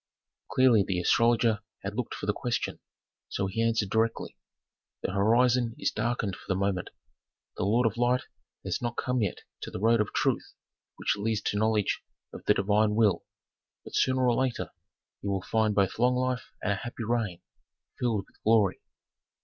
Clearly the astrologer had looked for the question, so he answered directly, "The horizon is darkened for the moment. The lord of light has not come yet to the road of truth which leads to knowledge of the divine will. But sooner or later he will find both long life and a happy reign filled with glory."